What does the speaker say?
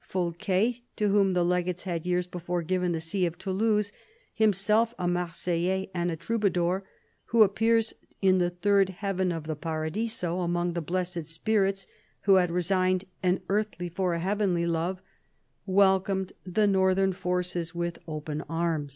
Folquet, to whom the legates had years before given the see of Toulouse, himself a Marseillais and a Troubadour, who appears in the third heaven of the Paradiso among the blessed spirits who had resigned an earthly for a heavenly love, welcomed the northern forces with open arms.